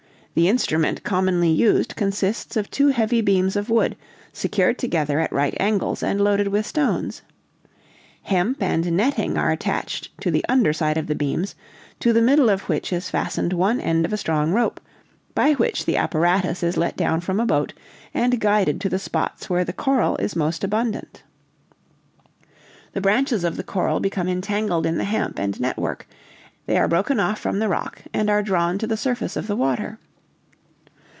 The instrument commonly used consists of two heavy beams of wood, secured together at right angles, and loaded with stones. Hemp and netting are attached to the under side of the beams, to the middle of which is fastened one end of a strong rope, by which the apparatus is let down from a boat, and guided to the spots where the coral is most abundant. "The branches of the coral become entangled in the hemp and network; they are broken off from the rock, and are drawn to the surface of the water.